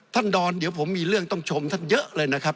ดอนเดี๋ยวผมมีเรื่องต้องชมท่านเยอะเลยนะครับ